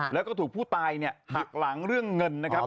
แล้วก็ถูกผู้ตายเนี่ยหักหลังเรื่องเงินนะครับ